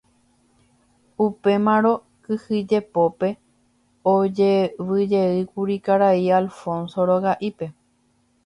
Upémarõ kyhyjepópe ojevyjeýkuri karai Alfonso roga'ípe.